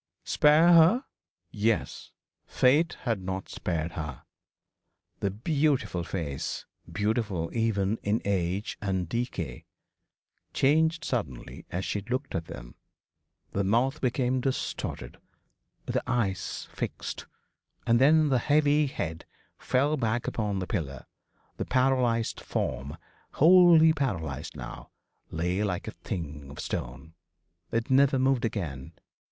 Spare her yes. Fate had not spared her. The beautiful face beautiful even in age and decay changed suddenly as she looked at them the mouth became distorted, the eyes fixed: and then the heavy head fell back upon the pillow the paralysed form, wholly paralysed now, lay like a thing of stone. It never moved again.